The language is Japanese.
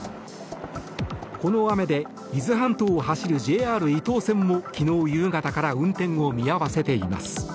この雨で伊豆半島を走るＪＲ伊東線も昨日夕方から運転を見合わせています。